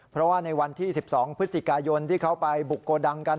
เพราะว่าในวันที่๑๒พฤศจิกายนที่เขาไปบุกโกดังกัน